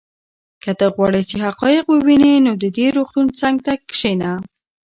که ته غواړې چې حقایق ووینې نو د دې روغتون څنګ ته کښېنه.